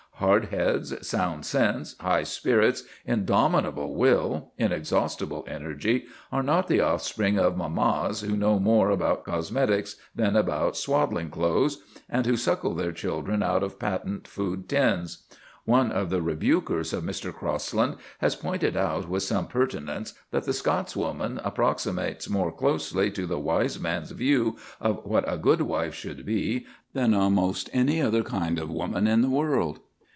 Hard heads, sound sense, high spirits, indomitable will, inexhaustible energy, are not the offspring of mammas who know more about cosmetics than about swaddling clothes, and who suckle their children out of patent food tins. One of the rebukers of Mr. Crosland has pointed out with some pertinence that the Scotswoman approximates more closely to the Wise Man's view of what a good wife should be than almost any other kind of woman in the world.